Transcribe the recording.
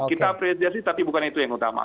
kita apresiasi tapi bukan itu yang utama